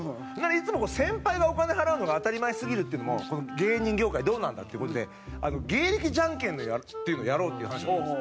いつも先輩がお金払うのが当たり前すぎるっていうのもこの芸人業界どうなんだっていう事で芸歴ジャンケンっていうのをやろうっていう話になったんです。